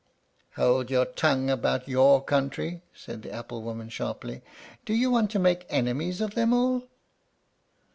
"Hold your tongue about you country!" said the apple woman, sharply. "Do you want to make enemies of them all?"